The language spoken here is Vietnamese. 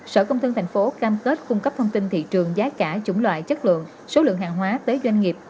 sở công thương thành phố cam kết cung cấp thông tin thị trường giá cả chủng loại chất lượng số lượng hàng hóa tới doanh nghiệp